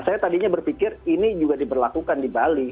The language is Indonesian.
saya tadinya berpikir ini juga diberlakukan di bali